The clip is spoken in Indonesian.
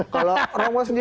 kalau romo sendiri